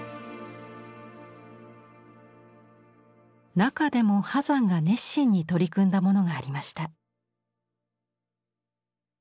中でも波山が熱心に取り組んだものがありました。